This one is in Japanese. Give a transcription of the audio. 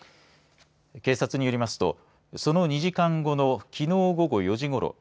警察によりますとその２時間後のきのう午後４時ごろ